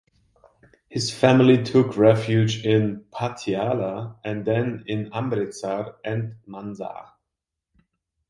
His family took refuge in Patiala and then in Amritsar and Mansa.